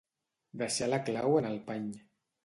Deixar la clau en el pany.